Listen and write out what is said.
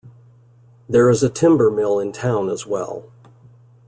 There is a timber mill in town as well.